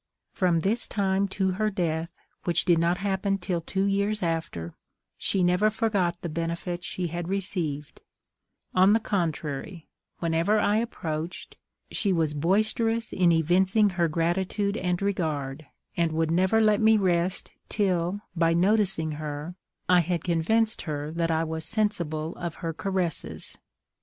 "From this time to her death, which did not happen till two years after, she never forgot the benefit she had received; on the contrary, whenever I approached, she was boisterous in evincing her gratitude and regard, and would never let me rest till, by noticing her, I had convinced her that I was sensible of her caresses.